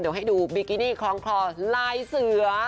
เดี๋ยวให้ดูบิกินี่คล้องคลอลายเสือ